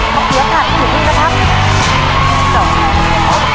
มันเกลียดขาดขึ้นอยู่ที่นี่นะครับ